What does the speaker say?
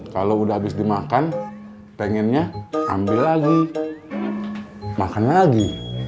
kalau udah habis dimakan pengennya ambil lagi makan lagi